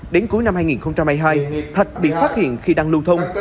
đến cuối năm hai nghìn hai mươi hai thạch bị phát hiện khi đang lưu thông